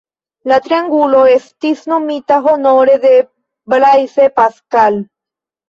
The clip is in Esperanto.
La triangulo estis nomita honore de Blaise Pascal.